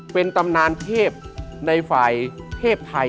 เป็นตำนานเทพในฝ่ายเทพไทย